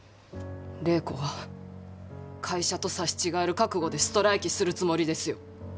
礼子は会社と刺し違える覚悟でストライキするつもりですよ。